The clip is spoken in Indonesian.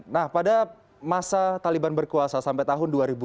nah pada masa taliban berkuasa sampai tahun dua ribu enam belas